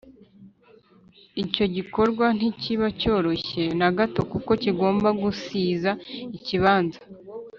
icyo gikorwa ntikiba cyoroshye na gato kuko kigomba gusiza ikibanza,